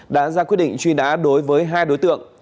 đã ra quyết định truy nã đối với hai đối tượng